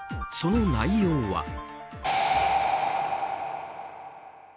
その内容は。